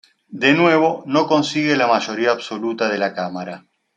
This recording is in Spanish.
De nuevo no consigue la mayoría absoluta de la cámara.